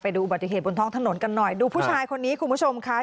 ดูอุบัติเหตุบนท้องถนนกันหน่อยดูผู้ชายคนนี้คุณผู้ชมค่ะ